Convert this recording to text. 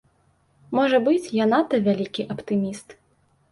Можа быць, я надта вялікі аптыміст.